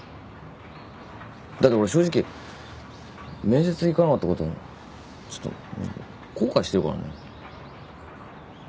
だって俺正直面接行かなかったことちょっと後悔してるからね。